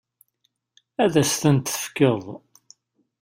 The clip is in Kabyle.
Ad as-tent-tefkeḍ?